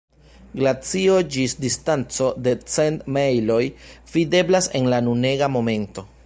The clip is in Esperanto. Glacio ĝis distanco de cent mejloj videblas en la nunega momento.